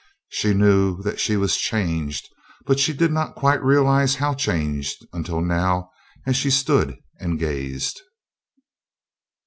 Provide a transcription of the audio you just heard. She knew that she was changed but she did not quite realize how changed, until now as she stood and gazed.